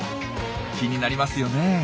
気になりますよねえ。